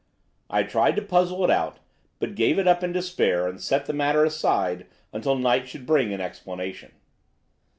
I tried to puzzle it out, but gave it up in despair and set the matter aside until night should bring an explanation.